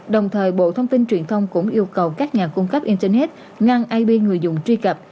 đồng thời bộ thông tin truyền thông cũng yêu cầu các nhà cung cấp internet ngăn ib người dùng truy cập